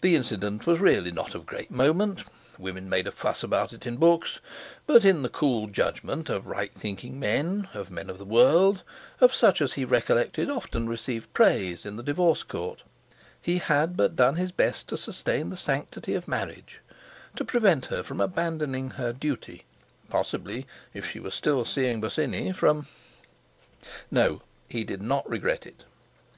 The incident was really not of great moment; women made a fuss about it in books; but in the cool judgment of right thinking men, of men of the world, of such as he recollected often received praise in the Divorce Court, he had but done his best to sustain the sanctity of marriage, to prevent her from abandoning her duty, possibly, if she were still seeing Bosinney, from.... No, he did not regret it.